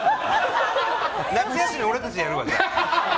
夏休み、俺たちでやるわ。